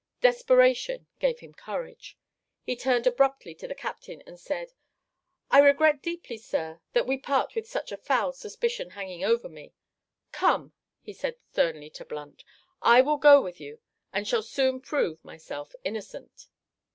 Desperation gave him courage. He turned abruptly to the captain, and said "I regret deeply, sir, that we part with such a foul suspicion hanging over me. Come," he added sternly to Blunt, "I will go with you, and shall soon prove myself innocent."